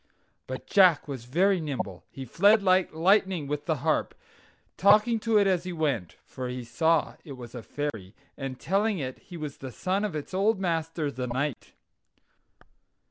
But Jack was very nimble. He fled like lightning with the harp, talking to it as he went (for he saw it was a fairy), and telling it he was the son of its old master, the knight.